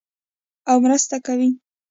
او مرسته کوي.